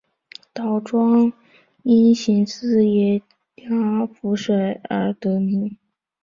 凫庄因形似野鸭浮水而得名。